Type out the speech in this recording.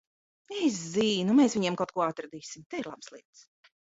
Es zinu, mēs viņiem kaut ko atradīsim. Te ir labas lietas.